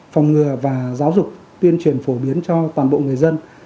phòng ngừa và giáo dục tuyên truyền phổ biến cho toàn bộ người dân